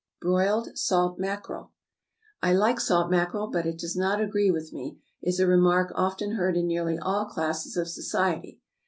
=Broiled Salt Mackerel.= "I like salt mackerel, but it does not agree with me," is a remark often heard in nearly all classes of society.